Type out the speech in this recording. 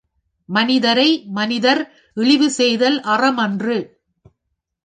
மனிதரை மனிதர் இழிவு செய்தல் அற மன்று.